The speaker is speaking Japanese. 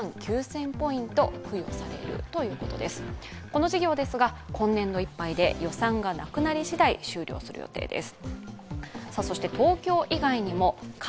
この事業ですが今年度いっぱいで予算がなくなりしだい終了する予定です。